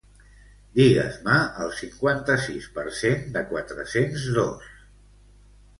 Digues-me el cinquanta-sis per cent de quatre-cents dos.